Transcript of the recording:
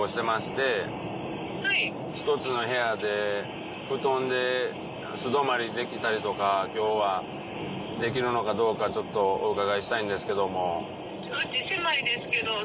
１つの部屋で布団で素泊まりできたりとか今日はできるのかどうかちょっとお伺いしたいんですけども。